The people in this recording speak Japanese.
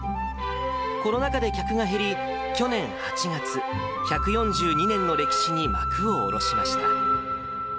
コロナ禍で客が減り、去年８月、１４２年の歴史に幕を下ろしました。